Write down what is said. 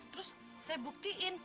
terus saya buktiin